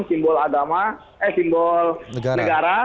simbol agama eh simbol negara